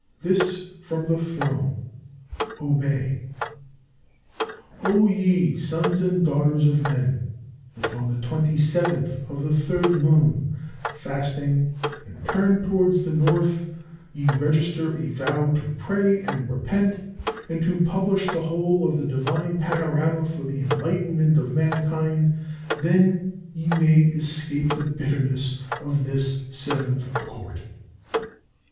This from the Throne! Obey!" O ye sons and daughters of men, if on the 27th of the 3rd moon, fasting and turned towards the north, ye register a vow to pray and repent, and to publish the whole of the Divine Panorama for the enlightenment of mankind, then ye may escape the bitterness of this Seventh Court.